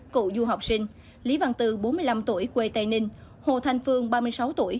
cựu du học sinh lý văn tư bốn mươi năm tuổi quê tây ninh hồ thanh phương ba mươi sáu tuổi